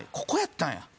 ここやったんや。